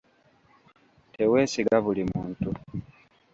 Teweesiga buli muntu.